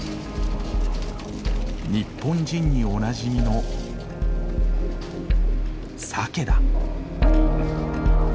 日本人におなじみのサケだ。